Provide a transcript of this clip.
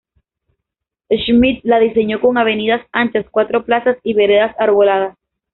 Schmidt la diseñó con avenidas anchas, cuatro plazas y veredas arboladas.